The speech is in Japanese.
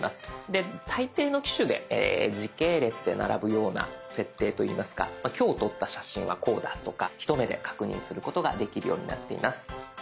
で大抵の機種で時系列で並ぶような設定といいますか今日撮った写真はこうだとか一目で確認することができるようになっています。